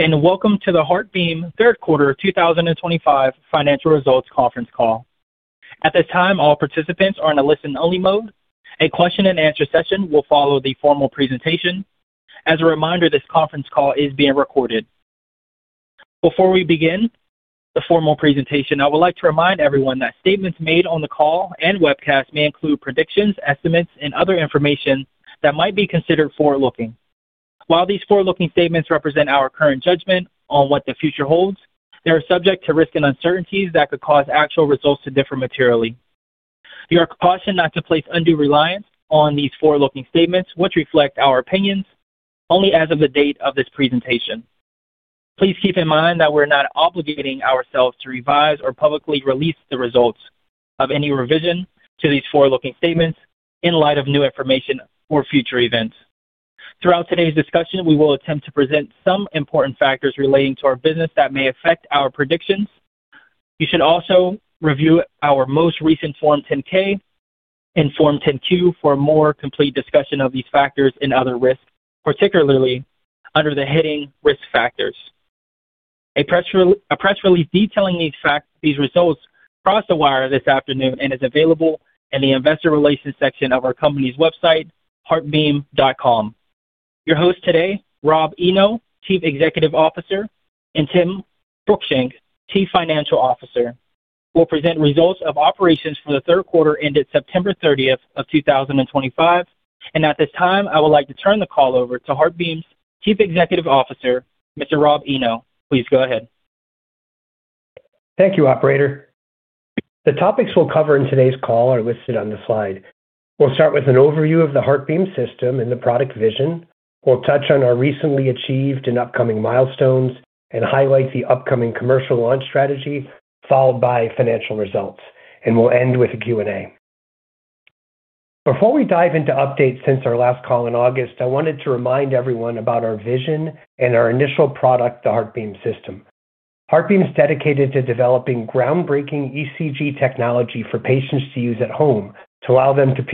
Welcome to the HeartBeam third quarter 2025 financial results conference call. At this time, all participants are in a listen-only mode. A question-and-answer session will follow the formal presentation. As a reminder, this conference call is being recorded. Before we begin the formal presentation, I would like to remind everyone that statements made on the call and webcast may include predictions, estimates, and other information that might be considered forward-looking. While these forward-looking statements represent our current judgment on what the future holds, they are subject to risk and uncertainties that could cause actual results to differ materially. We are cautioned not to place undue reliance on these forward-looking statements, which reflect our opinions only as of the date of this presentation. Please keep in mind that we're not obligating ourselves to revise or publicly release the results of any revision to these forward-looking statements in light of new information or future events. Throughout today's discussion, we will attempt to present some important factors relating to our business that may affect our predictions. You should also review our most recent Form 10-K and Form 10-Q for a more complete discussion of these factors and other risks, particularly under the heading "Risk Factors." A press release detailing these results crossed the wire this afternoon and is available in the investor relations section of our company's website, heartbeam.com. Your hosts today, Rob Eno, Chief Executive Officer, and Tim Cruickshank, Chief Financial Officer, will present results of operations for the third quarter ended September 30 of 2025. At this time, I would like to turn the call over to HeartBeam's Chief Executive Officer, Mr. Rob Eno. Please go ahead. Thank you, Operator. The topics we'll cover in today's call are listed on the slide. We'll start with an overview of the HeartBeam System and the product vision. We'll touch on our recently achieved and upcoming milestones and highlight the upcoming commercial launch strategy, followed by financial results. We'll end with a Q&A. Before we dive into updates since our last call in August, I wanted to remind everyone about our vision and our initial product, the HeartBeam System. HeartBeam's dedicated to developing groundbreaking ECG technology for patients to use at home to allow them to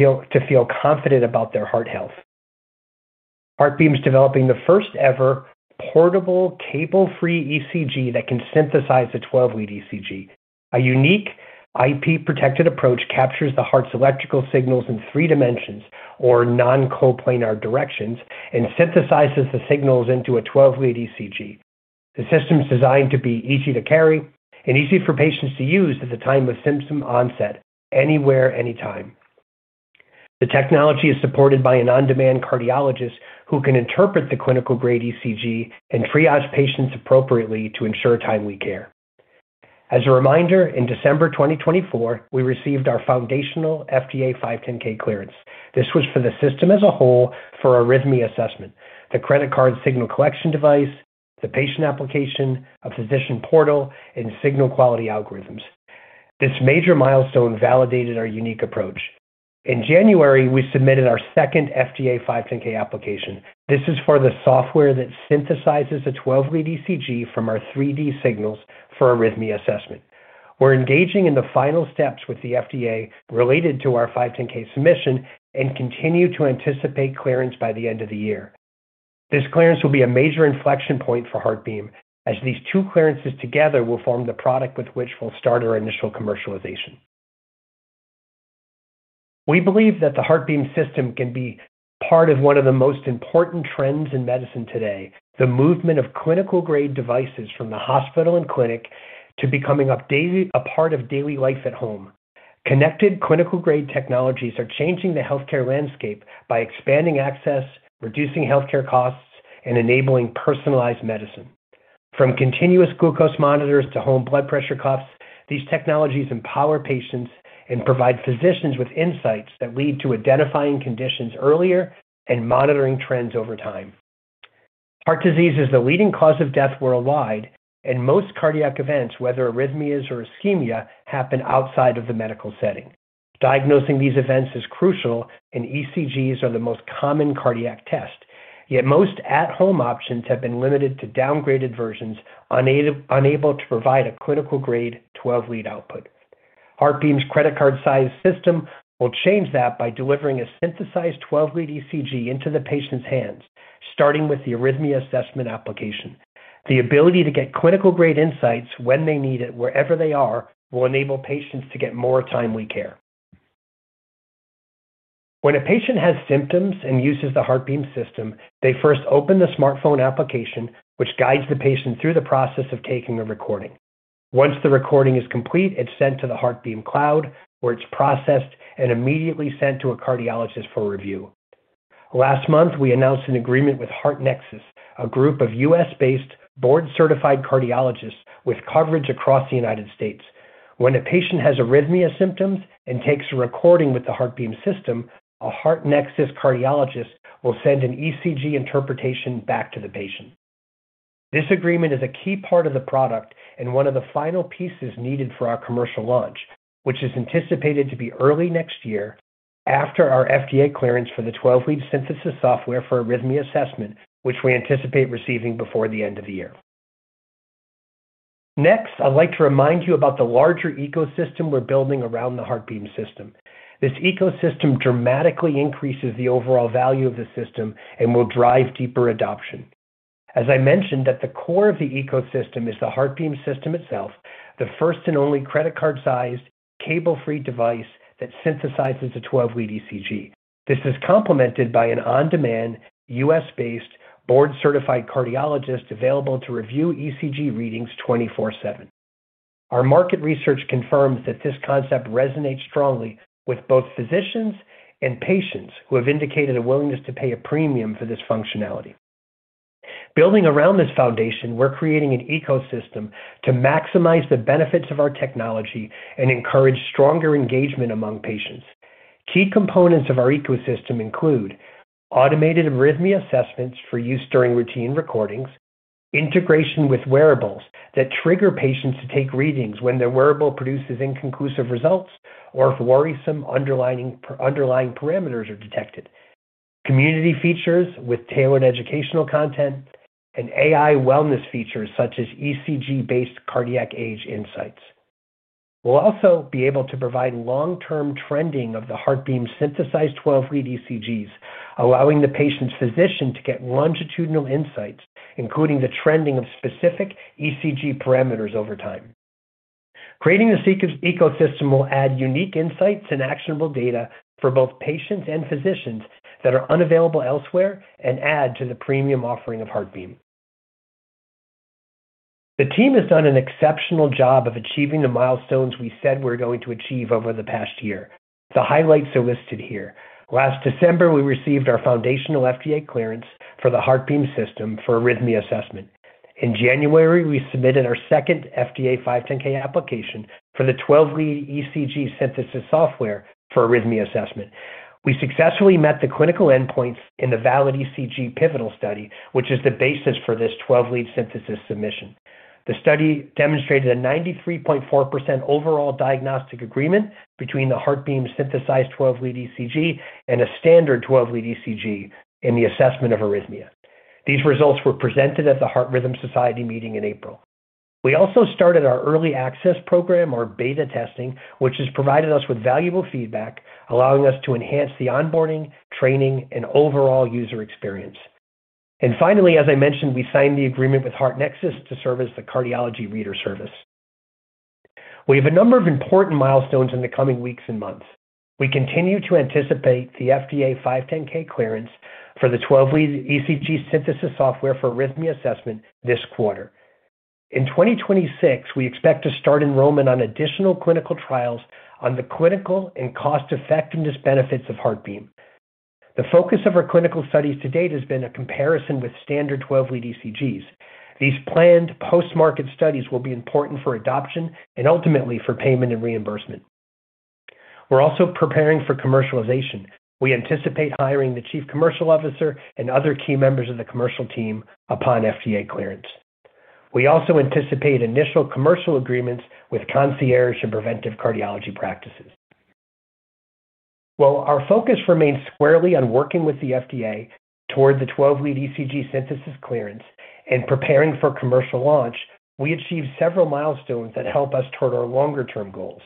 feel confident about their heart health. HeartBeam's developing the first-ever portable, cable-free ECG that can synthesize a 12-lead ECG. A unique IP-protected approach captures the heart's electrical signals in three dimensions, or non-coplanar directions, and synthesizes the signals into a 12-lead ECG. The system's designed to be easy to carry and easy for patients to use at the time of symptom onset, anywhere, anytime. The technology is supported by an on-demand cardiologist who can interpret the clinical-grade ECG and triage patients appropriately to ensure timely care. As a reminder, in December 2024, we received our foundational FDA 510(k) clearance. This was for the system as a whole for arrhythmia assessment, the credit card signal collection device, the patient application, a physician portal, and signal quality algorithms. This major milestone validated our unique approach. In January, we submitted our second FDA 510(k) application. This is for the software that synthesizes a 12-lead ECG from our 3D signals for arrhythmia assessment. We're engaging in the final steps with the FDA related to our 510(k) submission and continue to anticipate clearance by the end of the year. This clearance will be a major inflection point for HeartBeam, as these two clearances together will form the product with which we'll start our initial commercialization. We believe that the HeartBeam System can be part of one of the most important trends in medicine today: the movement of clinical-grade devices from the hospital and clinic to becoming a part of daily life at home. Connected clinical-grade technologies are changing the healthcare landscape by expanding access, reducing healthcare costs, and enabling personalized medicine. From continuous glucose monitors to home blood pressure cuffs, these technologies empower patients and provide physicians with insights that lead to identifying conditions earlier and monitoring trends over time. Heart disease is the leading cause of death worldwide, and most cardiac events, whether arrhythmias or ischemia, happen outside of the medical setting. Diagnosing these events is crucial, and ECGs are the most common cardiac test. Yet most at-home options have been limited to downgraded versions, unable to provide a clinical-grade 12-lead output. HeartBeam's credit card-sized system will change that by delivering a synthesized 12-lead ECG into the patient's hands, starting with the arrhythmia assessment application. The ability to get clinical-grade insights when they need it, wherever they are, will enable patients to get more timely care. When a patient has symptoms and uses the HeartBeam system, they first open the smartphone application, which guides the patient through the process of taking a recording. Once the recording is complete, it's sent to the HeartBeam cloud, where it's processed and immediately sent to a cardiologist for review. Last month, we announced an agreement with HeartNexus, a group of U.S.-based board-certified cardiologists with coverage across the United States. When a patient has arrhythmia symptoms and takes a recording with the HeartBeam System, a HeartNexus cardiologist will send an ECG interpretation back to the patient. This agreement is a key part of the product and one of the final pieces needed for our commercial launch, which is anticipated to be early next year after our FDA clearance for the 12-lead synthesis software for arrhythmia assessment, which we anticipate receiving before the end of the year. Next, I'd like to remind you about the larger ecosystem we're building around the HeartBeam System. This ecosystem dramatically increases the overall value of the system and will drive deeper adoption. As I mentioned, at the core of the ecosystem is the HeartBeam System itself, the first and only credit card-sized, cable-free device that synthesizes a 12-lead ECG. This is complemented by an on-demand, U.S.-based, board-certified cardiologist available to review ECG readings 24/7. Our market research confirms that this concept resonates strongly with both physicians and patients who have indicated a willingness to pay a premium for this functionality. Building around this foundation, we're creating an ecosystem to maximize the benefits of our technology and encourage stronger engagement among patients. Key components of our ecosystem include automated arrhythmia assessments for use during routine recordings, integration with wearables that trigger patients to take readings when their wearable produces inconclusive results or if worrisome underlying parameters are detected, community features with tailored educational content, and AI wellness features such as ECG-based cardiac age insights. We will also be able to provide long-term trending of the HeartBeam synthesized 12-lead ECGs, allowing the patient's physician to get longitudinal insights, including the trending of specific ECG parameters over time. Creating this ecosystem will add unique insights and actionable data for both patients and physicians that are unavailable elsewhere and add to the premium offering of HeartBeam. The team has done an exceptional job of achieving the milestones we said we were going to achieve over the past year. The highlights are listed here. Last December, we received our foundational FDA clearance for the HeartBeam System for arrhythmia assessment. In January, we submitted our second FDA 510(k) application for the 12-lead ECG synthesis software for arrhythmia assessment. We successfully met the clinical endpoints in the VALID-ECG pivotal study, which is the basis for this 12-lead synthesis submission. The study demonstrated a 93.4% overall diagnostic agreement between the HeartBeam synthesized 12-lead ECG and a standard 12-lead ECG in the assessment of arrhythmia. These results were presented at the Heart Rhythm Society meeting in April. We also started our early access program, or beta testing, which has provided us with valuable feedback, allowing us to enhance the onboarding, training, and overall user experience. Finally, as I mentioned, we signed the agreement with HeartNexus to service the cardiology reader service. We have a number of important milestones in the coming weeks and months. We continue to anticipate the FDA 510(k) clearance for the 12-lead ECG synthesis software for arrhythmia assessment this quarter. In 2026, we expect to start enrollment on additional clinical trials on the clinical and cost-effectiveness benefits of HeartBeam. The focus of our clinical studies to date has been a comparison with standard 12-lead ECGs. These planned post-market studies will be important for adoption and ultimately for payment and reimbursement. We are also preparing for commercialization. We anticipate hiring the Chief Commercial Officer and other key members of the commercial team upon FDA clearance. We also anticipate initial commercial agreements with concierge and preventive cardiology practices. While our focus remains squarely on working with the FDA toward the 12-lead ECG synthesis clearance and preparing for commercial launch, we achieved several milestones that help us toward our longer-term goals.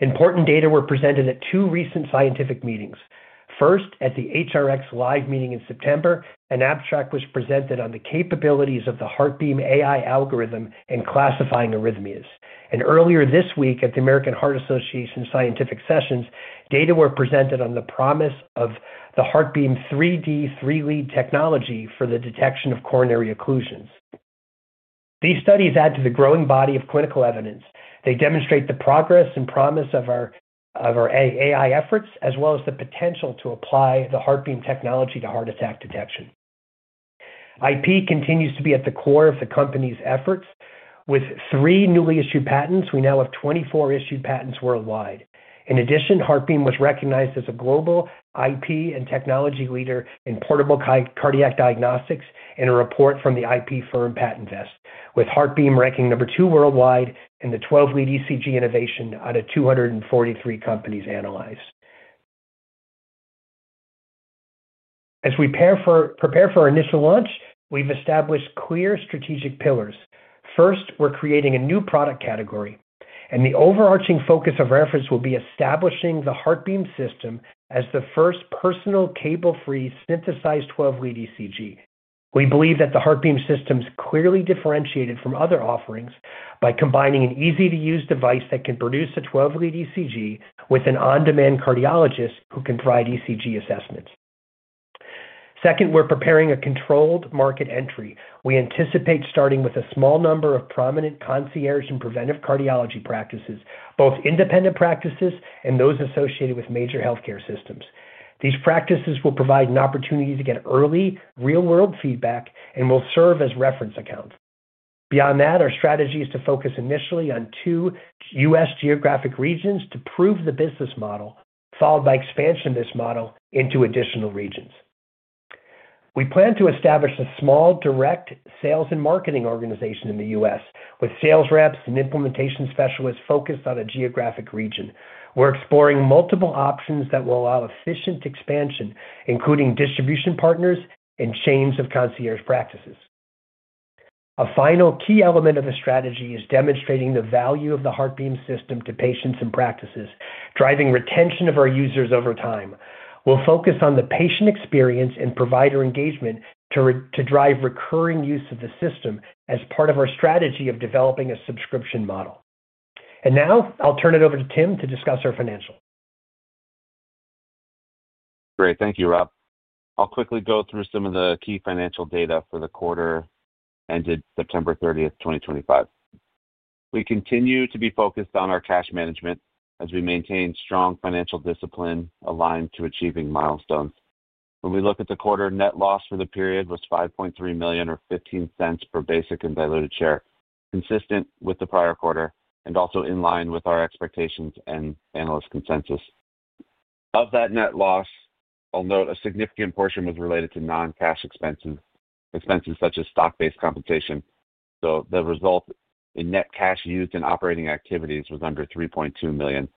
Important data were presented at two recent scientific meetings. First, at the HRX Live meeting in September, an abstract was presented on the capabilities of the HeartBeam AI algorithm in classifying arrhythmias. Earlier this week, at the American Heart Association scientific sessions, data were presented on the promise of the HeartBeam 3D, three-lead technology for the detection of coronary occlusions. These studies add to the growing body of clinical evidence. They demonstrate the progress and promise of our AI efforts, as well as the potential to apply the HeartBeam technology to heart attack detection. IP continues to be at the core of the company's efforts. With three newly issued patents, we now have 24 issued patents worldwide. In addition, HeartBeam was recognized as a global IP and technology leader in portable cardiac diagnostics in a report from the IP firm PatentVest, with HeartBeam ranking number two worldwide in the 12-lead ECG innovation out of 243 companies analyzed. As we prepare for our initial launch, we've established clear strategic pillars. First, we're creating a new product category. The overarching focus of our efforts will be establishing the HeartBeam System as the first personal cable-free synthesized 12-lead ECG. We believe that the HeartBeam System is clearly differentiated from other offerings by combining an easy-to-use device that can produce a 12-lead ECG with an on-demand cardiologist who can provide ECG assessments. Second, we're preparing a controlled market entry. We anticipate starting with a small number of prominent concierge and preventive cardiology practices, both independent practices and those associated with major healthcare systems. These practices will provide an opportunity to get early, real-world feedback and will serve as reference accounts. Beyond that, our strategy is to focus initially on two U.S. geographic regions to prove the business model, followed by expansion of this model into additional regions. We plan to establish a small direct sales and marketing organization in the U.S., with sales reps and implementation specialists focused on a geographic region. We're exploring multiple options that will allow efficient expansion, including distribution partners and chains of concierge practices. A final key element of the strategy is demonstrating the value of the HeartBeam System to patients and practices, driving retention of our users over time. We'll focus on the patient experience and provider engagement to drive recurring use of the system as part of our strategy of developing a subscription model. Now, I'll turn it over to Tim to discuss our financials. Great. Thank you, Rob. I'll quickly go through some of the key financial data for the quarter ended September 30, 2025. We continue to be focused on our cash management as we maintain strong financial discipline aligned to achieving milestones. When we look at the quarter net loss for the period, it was $5.3 million, or $0.15 per basic and diluted share, consistent with the prior quarter and also in line with our expectations and analyst consensus. Of that net loss, I'll note a significant portion was related to non-cash expenses, expenses such as stock-based compensation. The result in net cash used in operating activities was under $3.2 million.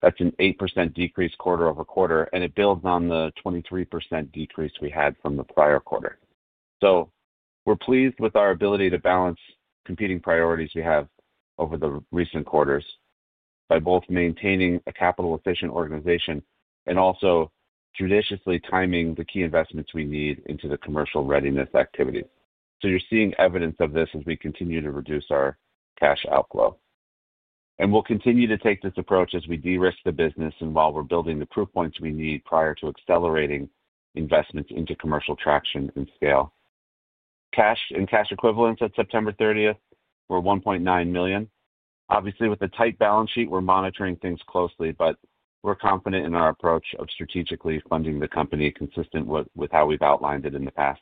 That's an 8% decrease quarter over quarter, and it builds on the 23% decrease we had from the prior quarter. We're pleased with our ability to balance competing priorities we have over the recent quarters by both maintaining a capital-efficient organization and also judiciously timing the key investments we need into the commercial readiness activities. You're seeing evidence of this as we continue to reduce our cash outflow. We'll continue to take this approach as we de-risk the business and while we're building the proof points we need prior to accelerating investments into commercial traction and scale. Cash and cash equivalents at September 30th were $1.9 million. Obviously, with a tight balance sheet, we're monitoring things closely, but we're confident in our approach of strategically funding the company consistent with how we've outlined it in the past.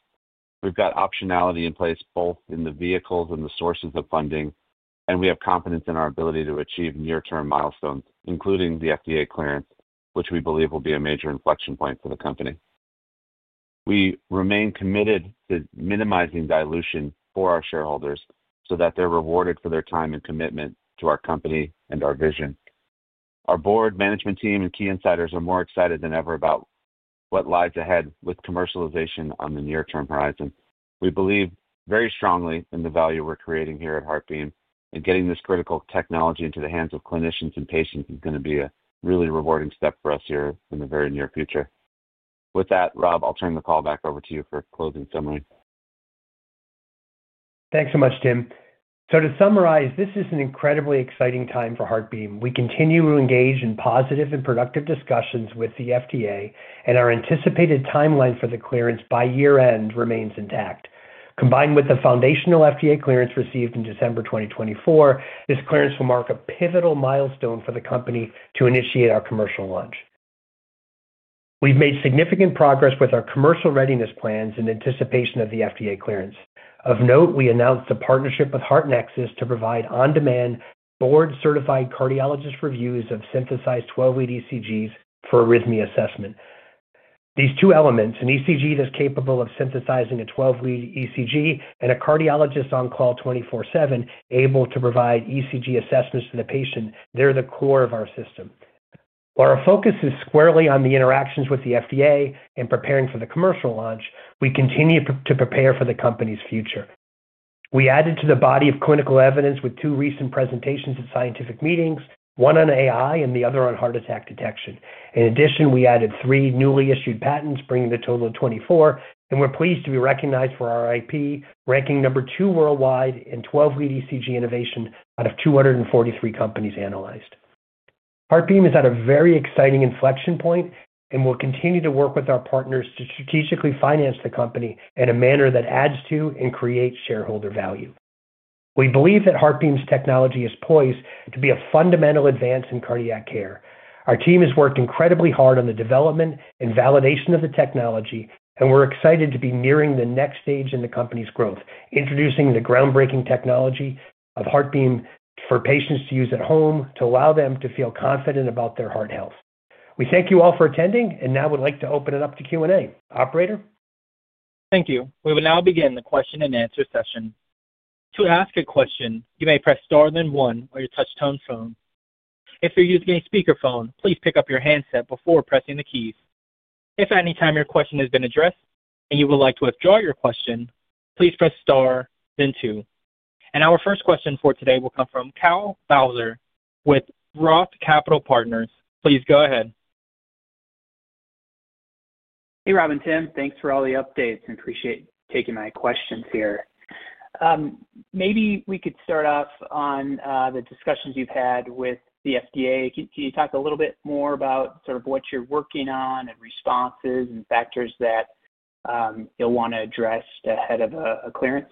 We've got optionality in place both in the vehicles and the sources of funding, and we have confidence in our ability to achieve near-term milestones, including the FDA clearance, which we believe will be a major inflection point for the company. We remain committed to minimizing dilution for our shareholders so that they're rewarded for their time and commitment to our company and our vision. Our board, management team, and key insiders are more excited than ever about what lies ahead with commercialization on the near-term horizon. We believe very strongly in the value we're creating here at HeartBeam, and getting this critical technology into the hands of clinicians and patients is going to be a really rewarding step for us here in the very near future. With that, Rob, I'll turn the call back over to you for closing summary. Thanks so much, Tim. To summarize, this is an incredibly exciting time for HeartBeam. We continue to engage in positive and productive discussions with the FDA, and our anticipated timeline for the clearance by year-end remains intact. Combined with the foundational FDA clearance received in December 2024, this clearance will mark a pivotal milestone for the company to initiate our commercial launch. We've made significant progress with our commercial readiness plans in anticipation of the FDA clearance. Of note, we announced a partnership with HeartNexus to provide on-demand board-certified cardiologist reviews of synthesized 12-lead ECGs for arrhythmia assessment. These two elements, an ECG that's capable of synthesizing a 12-lead ECG and a cardiologist on call 24/7 able to provide ECG assessments to the patient, they're the core of our system. While our focus is squarely on the interactions with the FDA and preparing for the commercial launch, we continue to prepare for the company's future. We added to the body of clinical evidence with two recent presentations at scientific meetings, one on AI and the other on heart attack detection. In addition, we added three newly issued patents, bringing the total to 24, and we're pleased to be recognized for our IP, ranking number two worldwide in 12-lead ECG innovation out of 243 companies analyzed. HeartBeam is at a very exciting inflection point and will continue to work with our partners to strategically finance the company in a manner that adds to and creates shareholder value. We believe that HeartBeam's technology is poised to be a fundamental advance in cardiac care. Our team has worked incredibly hard on the development and validation of the technology, and we're excited to be nearing the next stage in the company's growth, introducing the groundbreaking technology of HeartBeam for patients to use at home to allow them to feel confident about their heart health. We thank you all for attending, and now we'd like to open it up to Q&A. Operator? Thank you. We will now begin the question-and-answer session. To ask a question, you may press star then one on your touch-tone phone. If you're using a speakerphone, please pick up your handset before pressing the keys. If at any time your question has been addressed and you would like to withdraw your question, please press star, then two. Our first question for today will come from Kyle Bauser with Roth Capital Partners. Please go ahead. Hey, Rob and Tim. Thanks for all the updates. I appreciate taking my questions here. Maybe we could start off on the discussions you've had with the FDA. Can you talk a little bit more about sort of what you're working on and responses and factors that you'll want to address ahead of a clearance?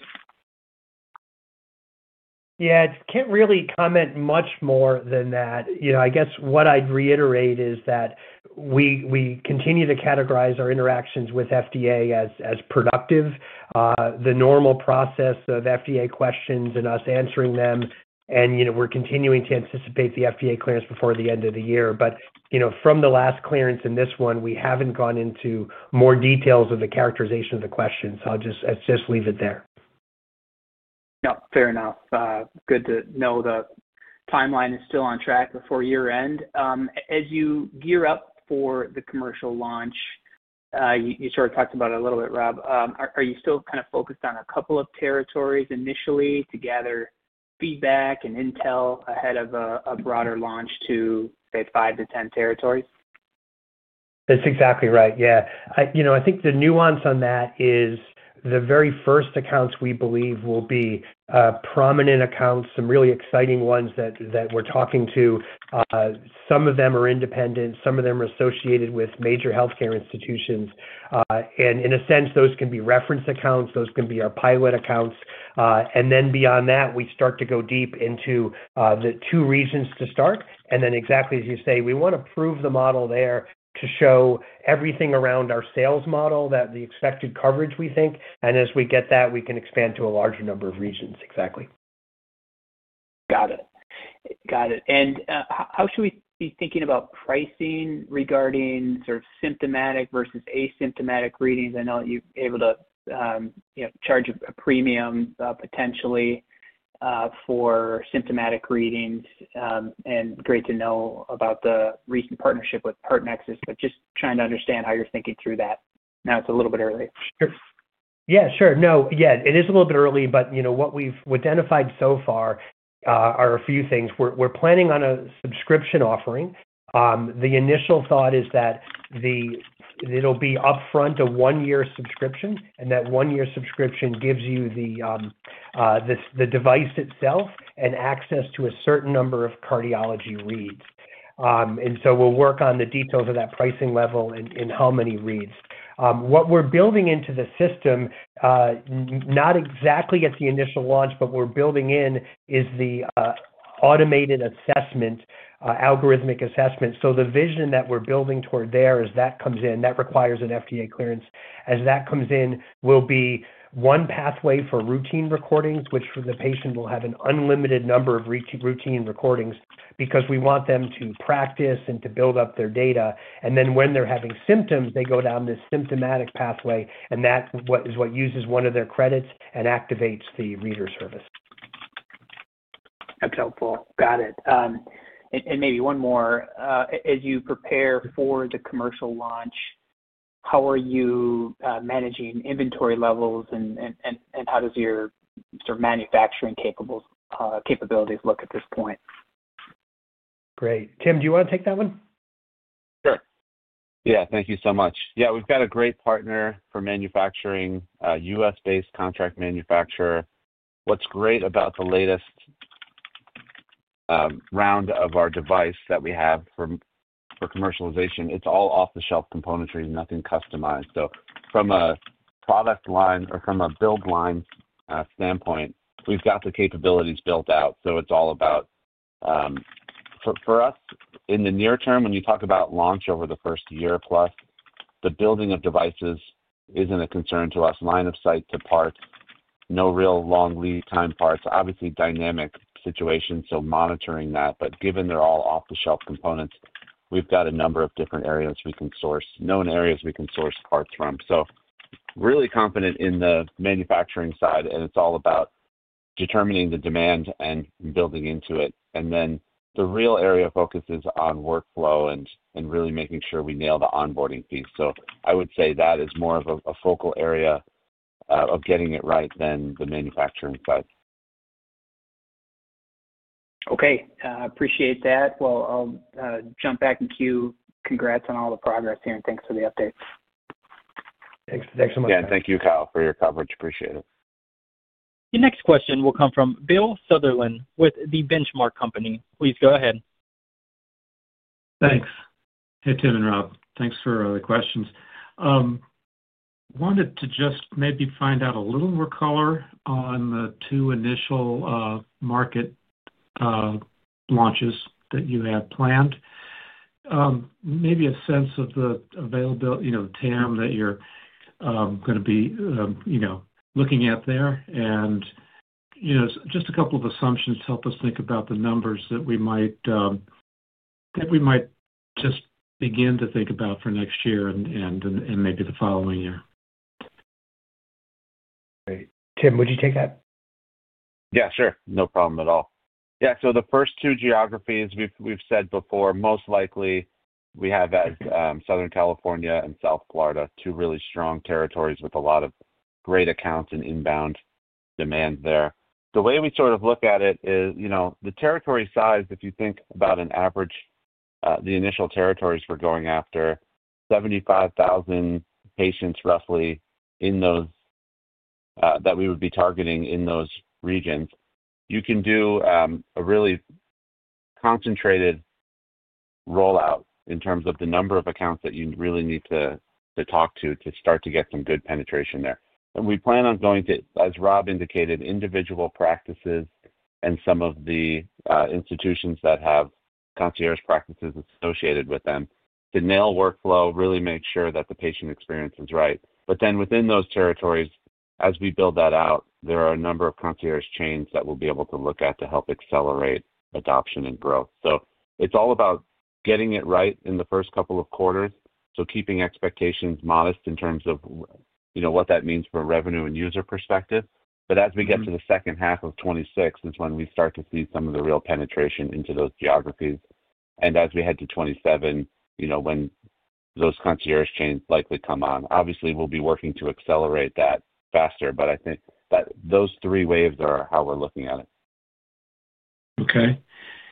Yeah. I can't really comment much more than that. I guess what I'd reiterate is that we continue to categorize our interactions with FDA as productive. The normal process of FDA questions and us answering them, and we're continuing to anticipate the FDA clearance before the end of the year. From the last clearance and this one, we haven't gone into more details of the characterization of the questions, so I'll just leave it there. Yep. Fair enough. Good to know the timeline is still on track before year-end. As you gear up for the commercial launch, you sort of talked about it a little bit, Rob. Are you still kind of focused on a couple of territories initially to gather feedback and intel ahead of a broader launch to, say, 5 to 10 territories? That's exactly right. Yeah. I think the nuance on that is the very first accounts we believe will be prominent accounts, some really exciting ones that we're talking to. Some of them are independent. Some of them are associated with major healthcare institutions. In a sense, those can be reference accounts. Those can be our pilot accounts. Beyond that, we start to go deep into the two regions to start. Exactly as you say, we want to prove the model there to show everything around our sales model, the expected coverage we think. As we get that, we can expand to a larger number of regions. Exactly. Got it. Got it. How should we be thinking about pricing regarding sort of symptomatic versus asymptomatic readings? I know you're able to charge a premium potentially for symptomatic readings. Great to know about the recent partnership with HeartNexus, but just trying to understand how you're thinking through that. Now it's a little bit early. Yeah. Sure. No. Yeah. It is a little bit early, but what we've identified so far are a few things. We're planning on a subscription offering. The initial thought is that it'll be upfront a one-year subscription, and that one-year subscription gives you the device itself and access to a certain number of cardiology reads. We'll work on the details of that pricing level and how many reads. What we're building into the system, not exactly at the initial launch, but we're building in is the automated assessment, algorithmic assessment. The vision that we're building toward there as that comes in, that requires an FDA clearance. As that comes in, will be one pathway for routine recordings, which for the patient will have an unlimited number of routine recordings because we want them to practice and to build up their data. When they're having symptoms, they go down this symptomatic pathway, and that is what uses one of their credits and activates the reader service. That's helpful. Got it. Maybe one more. As you prepare for the commercial launch, how are you managing inventory levels, and how does your sort of manufacturing capabilities look at this point? Great. Tim, do you want to take that one? Sure. Yeah. Thank you so much. Yeah. We've got a great partner for manufacturing, a U.S.-based contract manufacturer. What's great about the latest round of our device that we have for commercialization, it's all off-the-shelf componentry, nothing customized. From a product line or from a build line standpoint, we've got the capabilities built out. It's all about for us in the near term, when you talk about launch over the first year plus, the building of devices isn't a concern to us. Line of sight to parts, no real long lead time parts. Obviously, dynamic situations, so monitoring that. Given they're all off-the-shelf components, we've got a number of different areas we can source, known areas we can source parts from. Really confident in the manufacturing side, and it's all about determining the demand and building into it. The real area of focus is on workflow and really making sure we nail the onboarding piece. I would say that is more of a focal area of getting it right than the manufacturing side. I appreciate that. I'll jump back and cue congrats on all the progress here. Thanks for the update. Thanks. Thanks so much. Thank you, Kyle, for your coverage. Appreciate it. Your next question will come from Bill Sutherland with the Benchmark Company. Please go ahead. Thanks. Hey, Tim and Rob. Thanks for the questions. Wanted to just maybe find out a little more color on the two initial market launches that you had planned. Maybe a sense of the availability, Tim, that you're going to be looking at there. Just a couple of assumptions to help us think about the numbers that we might just begin to think about for next year and maybe the following year. Tim, would you take that? Yeah. Sure. No problem at all. Yeah. The first two geographies we've said before, most likely we have as Southern California and South Florida, two really strong territories with a lot of great accounts and inbound demand there. The way we sort of look at it is the territory size, if you think about an average, the initial territories we're going after, 75,000 patients roughly that we would be targeting in those regions. You can do a really concentrated rollout in terms of the number of accounts that you really need to talk to to start to get some good penetration there. We plan on going to, as Rob indicated, individual practices and some of the institutions that have concierge practices associated with them to nail workflow, really make sure that the patient experience is right. Within those territories, as we build that out, there are a number of concierge chains that we'll be able to look at to help accelerate adoption and growth. It is all about getting it right in the first couple of quarters, so keeping expectations modest in terms of what that means from a revenue and user perspective. As we get to the second half of 2026, that is when we start to see some of the real penetration into those geographies. As we head to 2027, when those concierge chains likely come on, obviously, we'll be working to accelerate that faster. I think those three waves are how we're looking at it. Okay.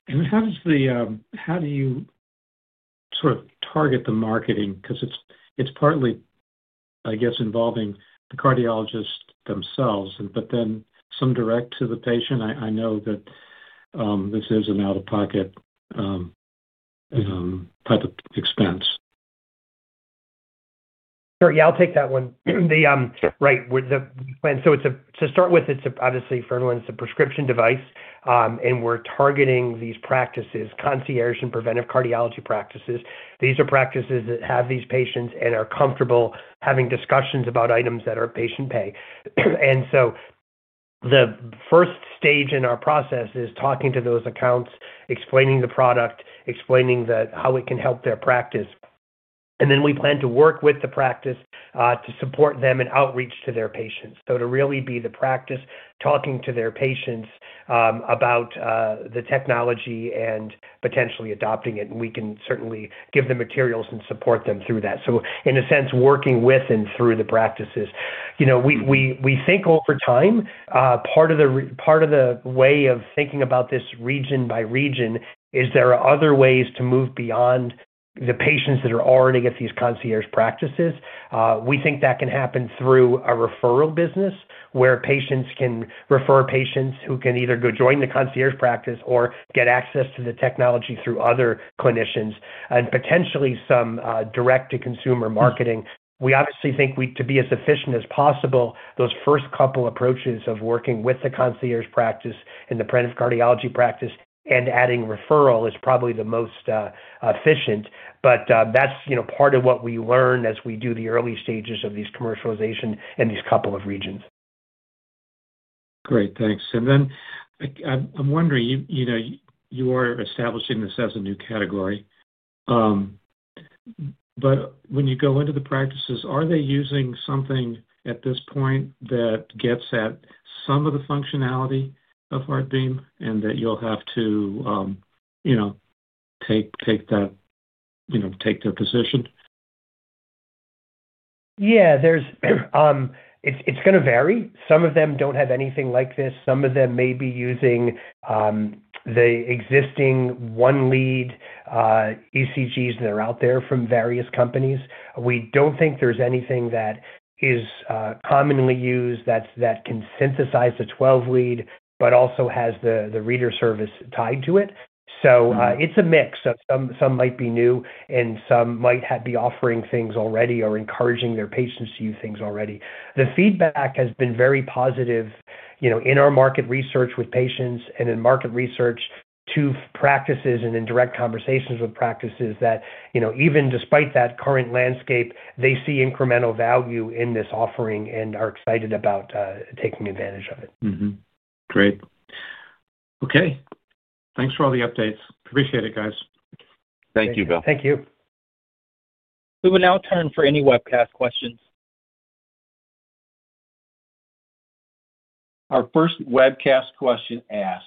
And how do you sort of target the marketing? Because it's partly, I guess, involving the cardiologists themselves, but then some direct to the patient. I know that this is an out-of-pocket type of expense. Sure. Yeah. I'll take that one. Right. To start with, obviously, for everyone, it's a prescription device, and we're targeting these practices, concierge and preventive cardiology practices. These are practices that have these patients and are comfortable having discussions about items that are patient pay. The first stage in our process is talking to those accounts, explaining the product, explaining how it can help their practice. We plan to work with the practice to support them in outreach to their patients. To really be the practice talking to their patients about the technology and potentially adopting it. We can certainly give them materials and support them through that. In a sense, working with and through the practices. We think over time, part of the way of thinking about this region by region is there are other ways to move beyond the patients that are already at these concierge practices. We think that can happen through a referral business where patients can refer patients who can either go join the concierge practice or get access to the technology through other clinicians and potentially some direct-to-consumer marketing. We obviously think to be as efficient as possible, those first couple approaches of working with the concierge practice and the preventive cardiology practice and adding referral is probably the most efficient. That is part of what we learn as we do the early stages of these commercialization in these couple of regions. Great. Thanks. I am wondering, you are establishing this as a new category. When you go into the practices, are they using something at this point that gets at some of the functionality of HeartBeam and that you will have to take that, take their position? Yeah. It is going to vary. Some of them do not have anything like this. Some of them may be using the existing one-lead ECGs that are out there from various companies. We do not think there is anything that is commonly used that can synthesize the 12-lead but also has the reader service tied to it. It is a mix. Some might be new, and some might be offering things already or encouraging their patients to use things already. The feedback has been very positive in our market research with patients and in market research to practices and in direct conversations with practices that even despite that current landscape, they see incremental value in this offering and are excited about taking advantage of it. Great. Okay. Thanks for all the updates. Appreciate it, guys. Thank you, Bill. Thank you. We will now turn for any webcast questions. Our first webcast question asks,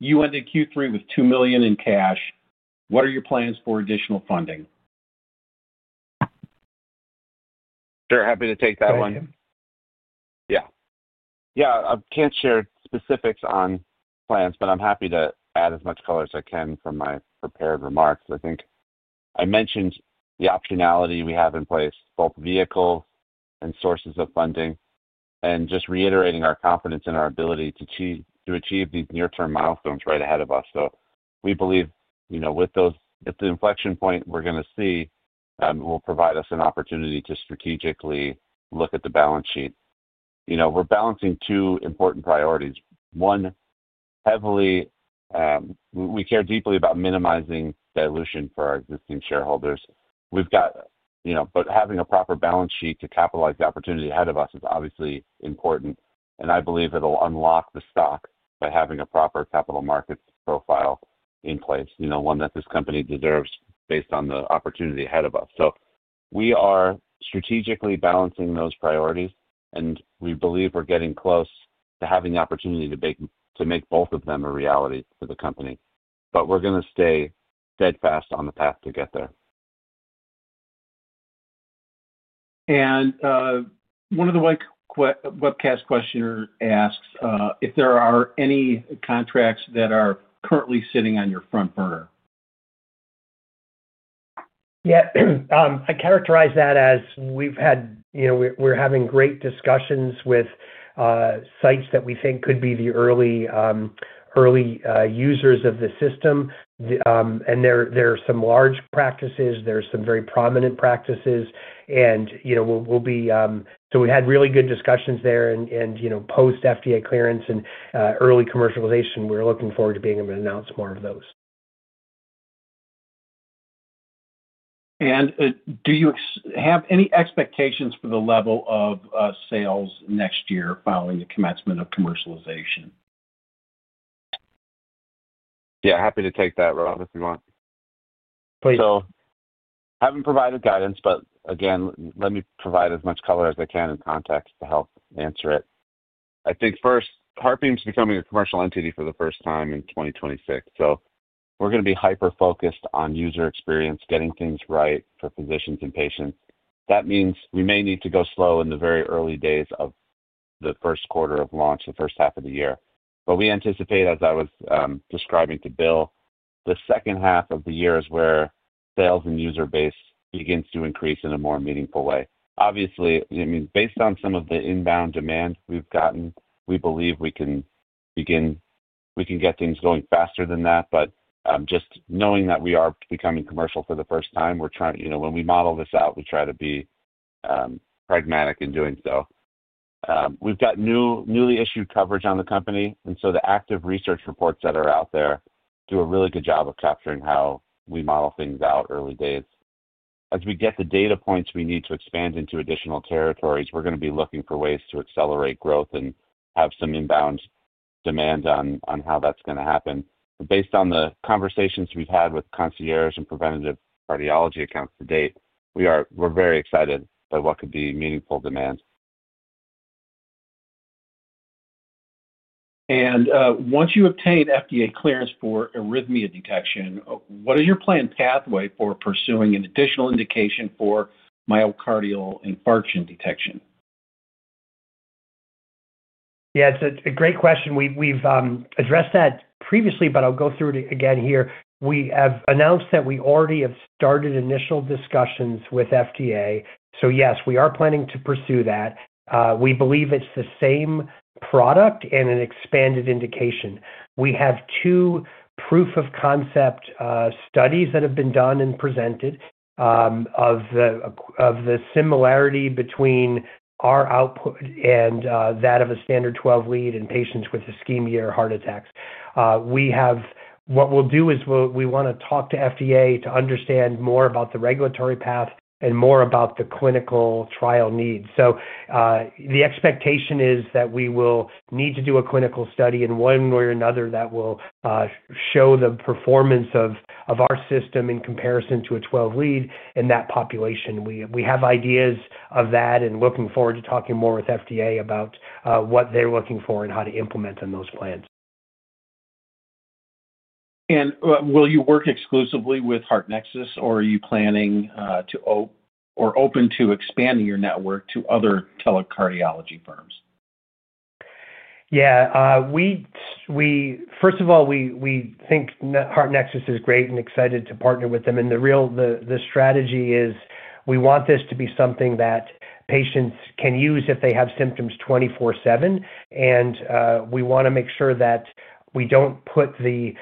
"You ended Q3 with $2 million in cash. What are your plans for additional funding?" Sure. Happy to take that one. Yeah. I can't share specifics on plans, but I'm happy to add as much color as I can from my prepared remarks. I think I mentioned the optionality we have in place, both vehicles and sources of funding, and just reiterating our confidence in our ability to achieve these near-term milestones right ahead of us. We believe with the inflection point we're going to see, it will provide us an opportunity to strategically look at the balance sheet. We're balancing two important priorities. One, heavily we care deeply about minimizing dilution for our existing shareholders. We've got, but having a proper balance sheet to capitalize the opportunity ahead of us is obviously important. I believe it'll unlock the stock by having a proper capital markets profile in place, one that this company deserves based on the opportunity ahead of us. We are strategically balancing those priorities, and we believe we're getting close to having the opportunity to make both of them a reality for the company. We're going to stay steadfast on the path to get there. One of the webcast questioners asks if there are any contracts that are currently sitting on your front burner. Yeah. I characterize that as we've had, we're having great discussions with sites that we think could be the early users of the system. There are some large practices. There are some very prominent practices. We had really good discussions there, and post-FDA clearance and early commercialization, we're looking forward to being able to announce more of those. Do you have any expectations for the level of sales next year following the commencement of commercialization? Yeah. Happy to take that, Rob, if you want. Please. I haven't provided guidance, but again, let me provide as much color as I can in context to help answer it. I think first, HeartBeam's becoming a commercial entity for the first time in 2026. We're going to be hyper-focused on user experience, getting things right for physicians and patients. That means we may need to go slow in the very early days of the first quarter of launch, the first half of the year. But we anticipate, as I was describing to Bill, the second half of the year is where sales and user base begins to increase in a more meaningful way. Obviously, I mean, based on some of the inbound demand we've gotten, we believe we can get things going faster than that. But just knowing that we are becoming commercial for the first time, we're trying when we model this out, we try to be pragmatic in doing so. We've got newly issued coverage on the company. And so the active research reports that are out there do a really good job of capturing how we model things out early days. As we get the data points we need to expand into additional territories, we're going to be looking for ways to accelerate growth and have some inbound demand on how that's going to happen. Based on the conversations we've had with concierge and preventive cardiology accounts to date, we're very excited by what could be meaningful demand. Once you obtain FDA clearance for arrhythmia detection, what is your planned pathway for pursuing an additional indication for myocardial infarction detection? Yeah. It's a great question. We've addressed that previously, but I'll go through it again here. We have announced that we already have started initial discussions with FDA. Yes, we are planning to pursue that. We believe it's the same product and an expanded indication. We have two proof-of-concept studies that have been done and presented of the similarity between our output and that of a standard 12-lead in patients with ischemia or heart attacks. What we'll do is we want to talk to FDA to understand more about the regulatory path and more about the clinical trial needs. The expectation is that we will need to do a clinical study in one way or another that will show the performance of our system in comparison to a 12-lead in that population. We have ideas of that and looking forward to talking more with FDA about what they're looking for and how to implement on those plans. Will you work exclusively with HeartNexus, or are you planning to or open to expanding your network to other telecardiology firms? Yeah. First of all, we think HeartNexus is great and excited to partner with them. The strategy is we want this to be something that patients can use if they have symptoms 24/7. We want to make sure that we do not put the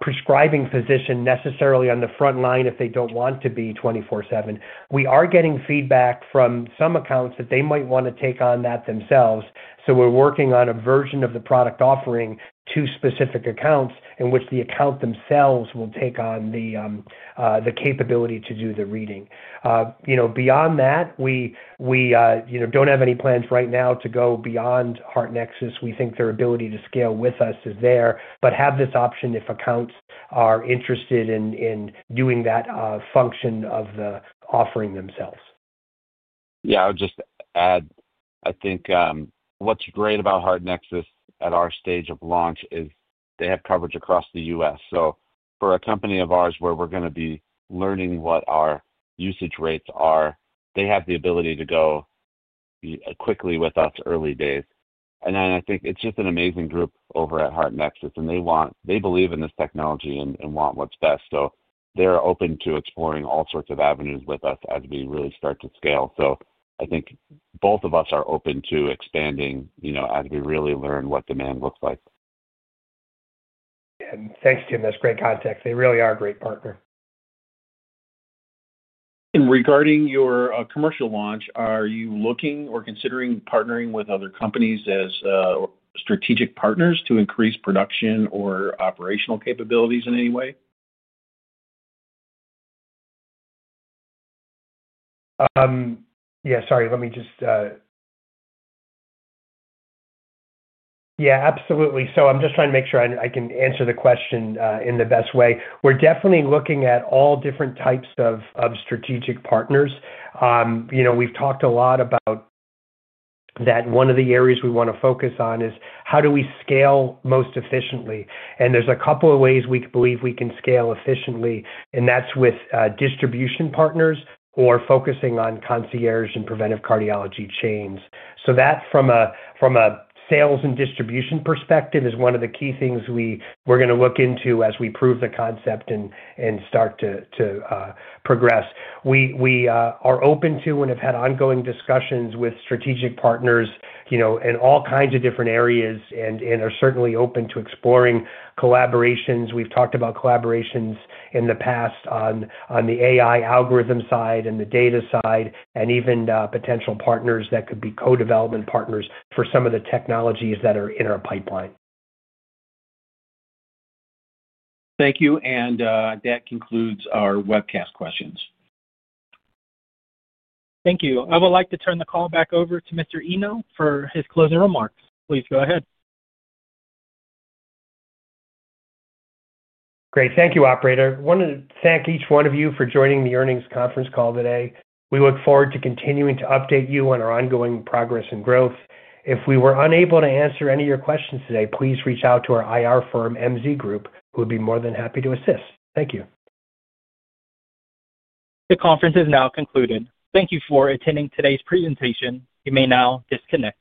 prescribing physician necessarily on the front line if they do not want to be 24/7. We are getting feedback from some accounts that they might want to take on that themselves. We are working on a version of the product offering to specific accounts in which the account themselves will take on the capability to do the reading. Beyond that, we do not have any plans right now to go beyond HeartNexus. We think their ability to scale with us is there, but have this option if accounts are interested in doing that function of the offering themselves. Yeah. I would just add, I think what's great about HeartNexus at our stage of launch is they have coverage across the U.S. For a company of ours where we're going to be learning what our usage rates are, they have the ability to go quickly with us early days. I think it's just an amazing group over at HeartNexus, and they believe in this technology and want what's best. They are open to exploring all sorts of avenues with us as we really start to scale. I think both of us are open to expanding as we really learn what demand looks like. Yeah. Thanks, Tim. That's great context. They really are a great partner. Regarding your commercial launch, are you looking or considering partnering with other companies as strategic partners to increase production or operational capabilities in any way? Yeah. Sorry. Let me just, yeah. Absolutely. I'm just trying to make sure I can answer the question in the best way. We're definitely looking at all different types of strategic partners. We've talked a lot about that. One of the areas we want to focus on is how do we scale most efficiently. There are a couple of ways we believe we can scale efficiently, and that's with distribution partners or focusing on concierge and preventive cardiology practices. That, from a sales and distribution perspective, is one of the key things we're going to look into as we prove the concept and start to progress. We are open to and have had ongoing discussions with strategic partners in all kinds of different areas and are certainly open to exploring collaborations. We've talked about collaborations in the past on the AI algorithm side and the data side and even potential partners that could be co-development partners for some of the technologies that are in our pipeline. Thank you. That concludes our webcast questions. Thank you. I would like to turn the call back over to Mr. Eno for his closing remarks. Please go ahead. Great. Thank you, Operator. I wanted to thank each one of you for joining the earnings conference call today. We look forward to continuing to update you on our ongoing progress and growth. If we were unable to answer any of your questions today, please reach out to our IR firm, MZ Group, who would be more than happy to assist. Thank you. The conference is now concluded. Thank you for attending today's presentation. You may now disconnect.